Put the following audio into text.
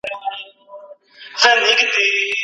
وس پردی وو د خانانو ملکانو